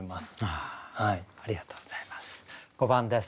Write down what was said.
ありがとうございます。